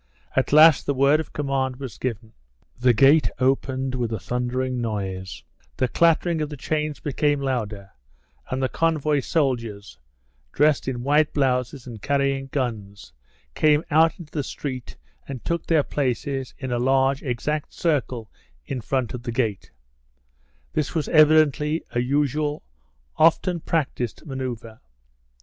At last the word of command was given. The gate opened with a thundering noise, the clattering of the chains became louder, and the convoy soldiers, dressed in white blouses and carrying guns, came out into the street and took their places in a large, exact circle in front of the gate; this was evidently a usual, often practised manoeuvre.